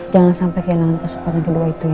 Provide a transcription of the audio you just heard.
jangan sampai kehilangan kesempatan kedua itu ya